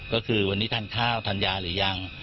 ก็คือวันนี้ทานข้าวทานยาหรือยัง